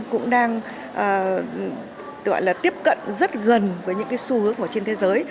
cũng đang gọi là tiếp cận rất gần với những cái xu hướng trên thế giới